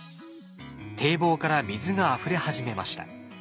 堤防から水があふれ始めました。